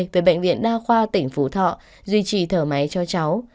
về bệnh viện đa khoa tỉnh phú thọ duy trì thở máy cho cháu